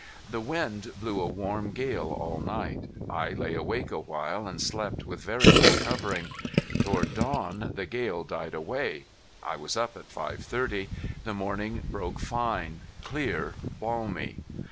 The wind blew a warm gale all night. I lay awake a while and slept with very little covering. Toward dawn the gale died away. I was up at five thirty. The morning broke fine, clear, balmy.